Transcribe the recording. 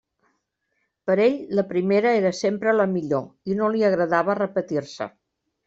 Per a ell, la primera era sempre la millor i no li agradava repetir-se.